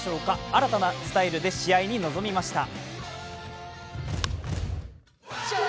新たなスタイルで試合に臨みました。